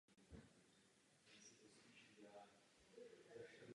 Později tu sídlila například knihovna či kadeřnictví.